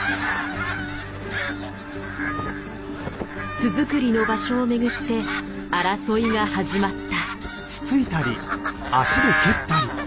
巣作りの場所を巡って争いが始まった。